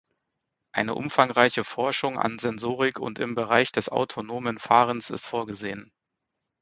Eine umfangreiche Forschung an Sensorik und im Bereich des autonomen Fahrens ist vorgesehen.